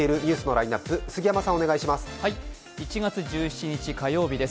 １月１７日火曜日です。